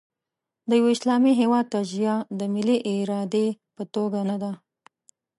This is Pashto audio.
د یوه اسلامي هېواد تجزیه د ملي ارادې په توګه نه ده.